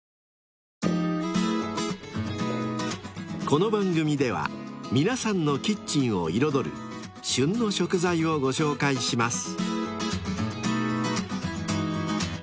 ［この番組では皆さんのキッチンを彩る「旬の食材」をご紹介します］